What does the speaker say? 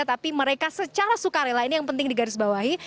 tapi mereka secara sukarela ini yang penting digarisbawahi